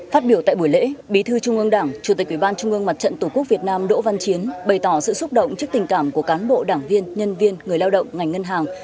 phát biểu tại buổi lễ bí thư trung ương đảng chủ tịch ủy ban trung ương mặt trận tổ quốc việt nam đỗ văn chiến bày tỏ sự xúc động trước tình cảm của cán bộ đảng viên nhân viên người lao động ngành ngân hàng